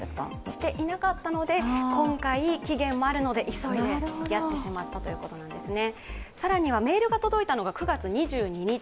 していなかったので、今回、期限もあるので急いでやってしまったということなんですね。